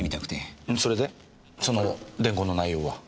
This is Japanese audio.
それでその伝言の内容は？